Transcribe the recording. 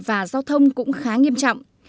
và giao thông cũng khá nghiêm trọng